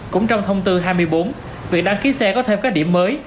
cũng trong thông tư hai mươi bốn việc đăng ký xe có thêm các điểm mới